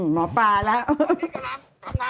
หมอป้าแหละ